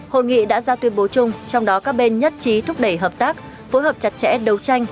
hội nghị đã ra tuyên bố chung trong đó các bên nhất trí thúc đẩy hợp tác phối hợp chặt chẽ đấu tranh